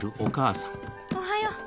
おはよう。